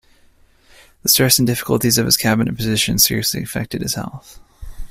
The stress and difficulties of his cabinet position seriously affected his health.